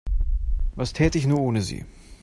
Was täte ich nur ohne Sie?